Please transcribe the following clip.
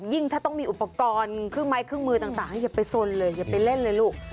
ถ้าต้องมีอุปกรณ์เครื่องไม้เครื่องมือต่างอย่าไปสนเลยอย่าไปเล่นเลยลูก